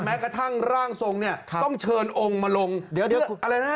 แม้กระทั่งร่างทรงเนี่ยต้องเชิญองค์มาลงเดี๋ยวอะไรนะ